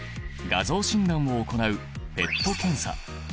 画像診断を行うＰＥＴ検査。